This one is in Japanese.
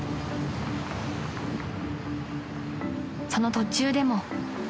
［その途中でも］